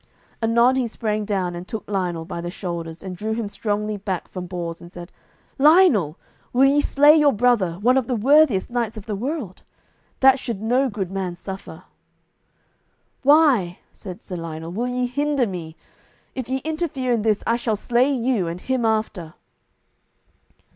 Anon he sprang down and took Lionel by the shoulders, and drew him strongly back from Bors, and said, "Lionel, will ye slay your brother, one of the worthiest knights of the world? That should no good man suffer." "Why," said Sir Lionel, "will ye hinder me? If ye interfere in this, I shall slay you, and him after."